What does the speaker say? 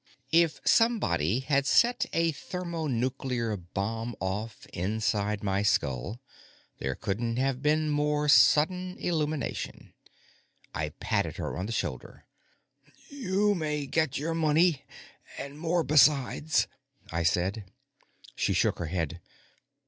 If somebody had set a thermonuclear bomb off inside my skull, there couldn't have been more sudden illumination. I patted her on the shoulder. "You may get your money and more besides," I said. She shook her head.